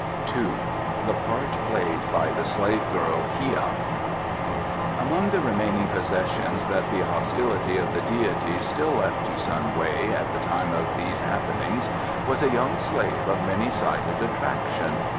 ii. THE PART PLAYED BY THE SLAVE GIRL, HIA Among the remaining possessions that the hostility of the deities still left to Sun Wei at the time of these happenings was a young slave of many sided attraction.